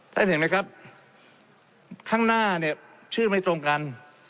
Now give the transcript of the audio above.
เห็นไหมครับข้างหน้าเนี่ยชื่อไม่ตรงกัน